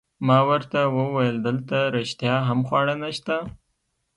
ما ورته وویل: دلته رښتیا هم خواړه نشته؟